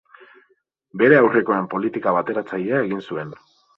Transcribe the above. Bere aurrekoen politika bateratzailea egin zuen.